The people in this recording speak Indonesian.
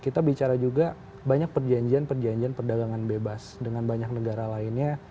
kita bicara juga banyak perjanjian perjanjian perdagangan bebas dengan banyak negara lainnya